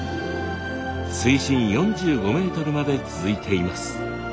水深４５ｍまで続いています。